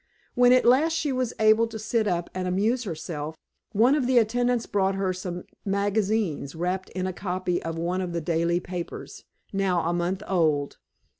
When at last she was able to sit up and amuse herself, one of the attendants brought her some magazines, wrapped in a copy of one of the daily papers now a month old.